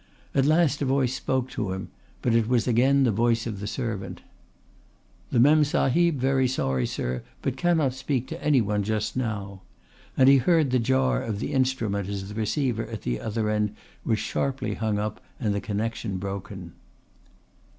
At last a voice spoke to him, but it was again the voice of the servant. "The Memsahib very sorry, sir, but cannot speak to any one just now;" and he heard the jar of the instrument as the receiver at the other end was sharply hung up and the connection broken.